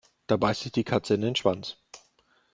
Da beißt sich die Katze in den Schwanz.